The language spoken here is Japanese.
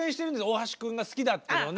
大橋くんが好きだっていうのをね。